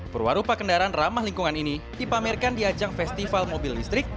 perwarupa kendaraan ramah lingkungan ini dipamerkan di ajang festival mobil listrik